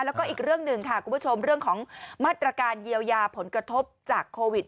แล้วก็อีกเรื่องหนึ่งค่ะคุณผู้ชมเรื่องของมาตรการเยียวยาผลกระทบจากโควิด